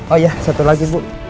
oh ya satu lagi bu